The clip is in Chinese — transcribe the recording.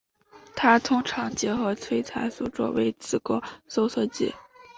它通常结合催产素作为子宫收缩剂。